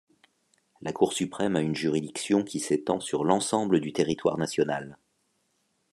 La Cour suprême a une juridiction qui s'étend sur l'ensemble du territoire national.